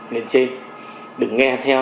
nên trên đừng nghe theo